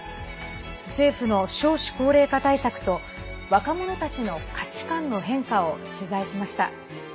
政府の少子高齢化対策と若者たちの価値観の変化を取材しました。